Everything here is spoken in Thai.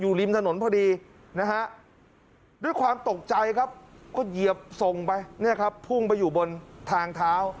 อยู่ริมถนนพอดีด้วยความตกใจครับก็เยียบส่งไปผู้งไปอยู่บนทางเท้า